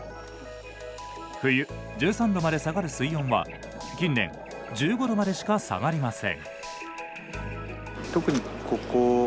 冬１３度まで下がる水温は近年１５度までしか下がりません。